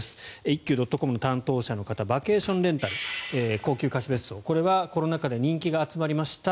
一休．ｃｏｍの担当者の方バケーションレンタル高級貸別荘、これはコロナ禍で人気が集まりました。